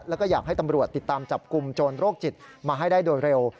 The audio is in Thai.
แล้วก็อยากให้ตำรวจติดตามจับกลุ่มโจรโรคจิตมาให้ได้โดยเร็ว